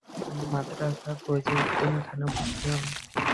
তিনি মাদরাসা গাজিউদ্দিন খানে ভর্তি হন।